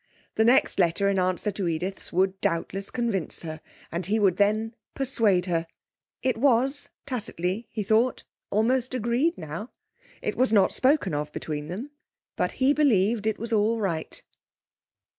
The next letter in answer to Edith's would doubtless convince her, and he would then persuade her; it was, tacitly, he thought, almost agreed now; it was not spoken of between them, but he believed it was all right....